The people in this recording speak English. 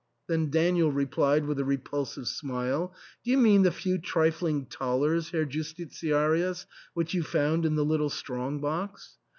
" than Daniel replied, with a repulsive smile, "Do you mean the few trifling thalers, Herr Justitiarius, which you found in the little strong box